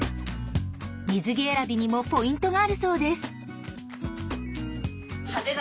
水着選びにもポイントがあるそうです。